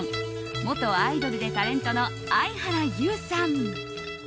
元アイドルでタレントの相原勇さん。